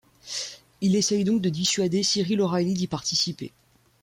Il essaye donc de dissuader Cyril O'Reilly d'y participer.